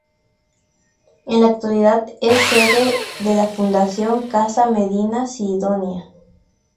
En la actualidad es sede de la Fundación Casa Medina Sidonia.